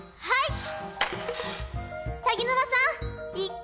はい。